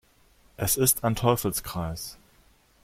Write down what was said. Es ist ein Teufelskreis.